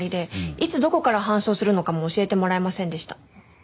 いつどこから搬送するのかも教えてもらえませんでした。